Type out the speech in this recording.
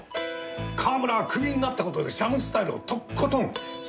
川村活人はクビになった事でシャムスタイルをとことん逆恨みしていた。